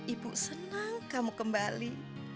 ibu senang kamu kembali